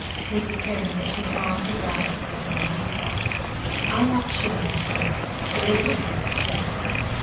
Mrs. Harriet had drawn her brows together in deep thought. "I'm not sure, after all, that it would be best.